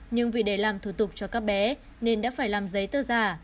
nhưng vì để làm thủ tục cho các bé nên đã phải làm giấy tờ giả